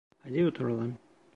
Haydi oturalım!